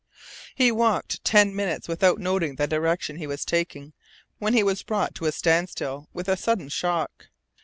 He walked ten minutes without noting the direction he was taking when he was brought to a standstill with a sudden shock.